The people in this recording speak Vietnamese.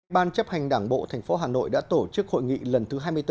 ban chấp hành đảng bộ tp hà nội đã tổ chức hội nghị lần thứ hai mươi bốn